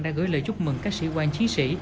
đã gửi lời chúc mừng các sĩ quan chiến sĩ